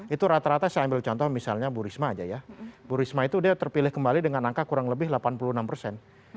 itu rata rata saya ambil contoh misalnya bu risma aja ya bu risma itu dia terpilih kembali dengan angka kurang lebih delapan puluh enam persen